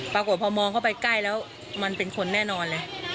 ปรากฏพอมองเข้าไปใกล้แล้วมันเป็นคนแน่นอนเลย